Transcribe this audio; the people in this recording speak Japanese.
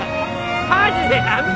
マジでやめ。